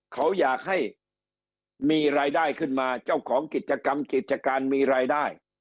เขาอยากให้มีรายได้ขึ้นมาเจ้าของกิจกรรมกิจการมีรายได้